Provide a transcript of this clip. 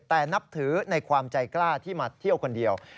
แต่นับถือในความใจกล้าที่มาเที่ยวคนเดียว